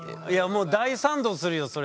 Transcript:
もう大賛同するよそれ。